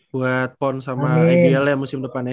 buat pon sama ibl ya musim depan ya